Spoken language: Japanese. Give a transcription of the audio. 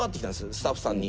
スタッフさんに。